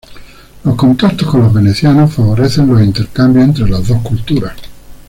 Los contactos con los venecianos favorecen los intercambios entre las dos culturas.